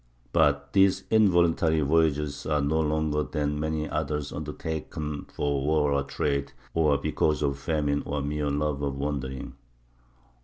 But these involuntary voyages were no longer than many others undertaken for war or trade, or because of famine or a mere love of wandering.